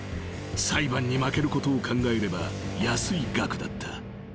［裁判に負けることを考えれば安い額だった］